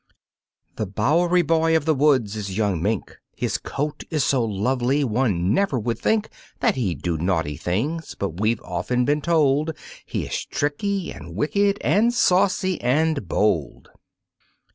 The bowery boy of the woods is young Mink, His coat is so lovely one never would think That'd he do naughty things, but we've often been told He is tricky and wicked and saucy and bold.